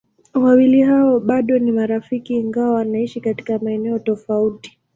Wawili hao bado ni marafiki ingawa wanaishi katika maeneo tofauti.